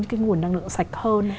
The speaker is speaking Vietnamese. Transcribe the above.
cái nguồn năng lượng sạch hơn